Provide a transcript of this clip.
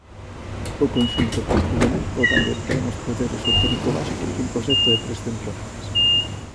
O conxunto castellonenco dálle plenos poderes ao técnico vasco cun proxecto de tres temporadas.